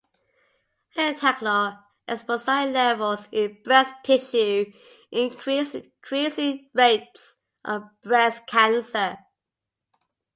Heptachlor epoxide levels in breast tissue increased with increasing rates of breast cancer.